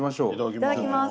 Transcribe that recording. いただきます。